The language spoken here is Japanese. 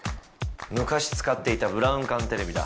昔使っていたブラウン管テレビだ。